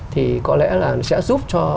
thì có lẽ là sẽ giúp cho